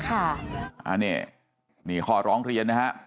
อันนี้นี่ข้อร้องเรียนนะฮะ